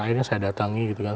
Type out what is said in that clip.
akhirnya saya datangi gitu kan